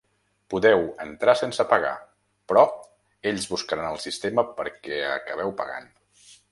Podeu entrar sense pagar, però ells buscaran el sistema perquè acabeu pagant.